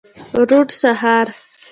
روڼ سهار